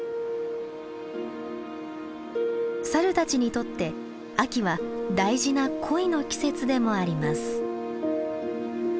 サルたちにとって秋は大事な恋の季節でもあります。